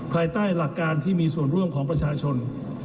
ภายใต้หลักการที่มีส่วนร่วมของประชาชน